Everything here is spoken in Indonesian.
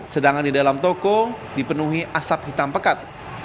sedangkan di dalam toko dipenuhi asap hitam pekat